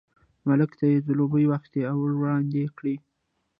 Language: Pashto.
ملک ته یې ځلوبۍ واخیستې او ور یې وړاندې کړې.